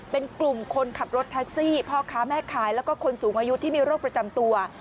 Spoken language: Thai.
เป็นกลุ่มคนขับรถแท็กซี่พ่อค้าแม่ขายแล้วก็คนสูงอายุที่มีโรคประจำตัว